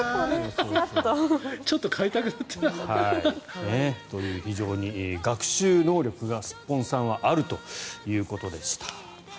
ちょっと飼いたくなったな。という非常に学習能力はスッポンさんはあるということでした。